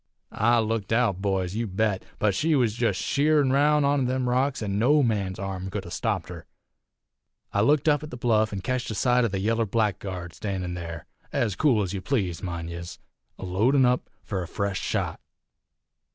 "I looked out, boys, you bet! But she was jest sheerin roun' onter them rocks, an' no man's arm could 'a' stopped her. I looked up at the bluff, an' ketched a sight o' the yaller blackguard standin' there ez cool ez ye please, mind yez, a loadin' up fur a fresh shot.